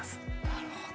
なるほど。